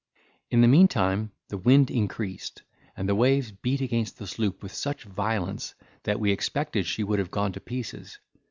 In the meantime, the wind increased, and the waves beat against the sloop with such violence, that we expected she would have gone to pieces.